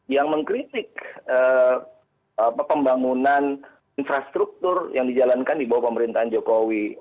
yang mengkritik pembangunan infrastruktur yang dijalankan di bawah pemerintahan jokowi